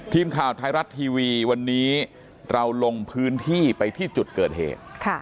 ทีมข่าวไทยรัฐทีวีวันนี้เราลงพื้นที่ไปที่จุดเกิดเหตุ